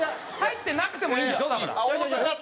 入ってなくてもいいんでしょ？